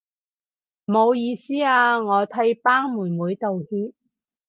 唔好意思啊，我替班妹妹道歉